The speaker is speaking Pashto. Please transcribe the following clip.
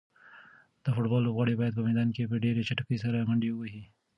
د فوټبال لوبغاړي باید په میدان کې په ډېره چټکۍ سره منډې ووهي.